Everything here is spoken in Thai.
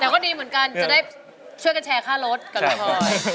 แต่ก็ดีเหมือนกันจะได้ช่วยกันแชร์ค่ารถกับพี่พลอย